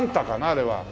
あれは。